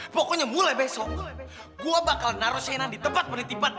pokoknya mulai besok gua bakal naro shaina di tempat penitipan anak